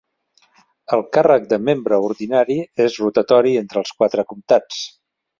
El càrrec de membre ordinari és rotatori entre els quatre comtats.